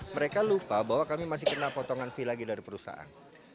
mereka lupa bahwa kami masih kena potongan fee lagi dari perusahaan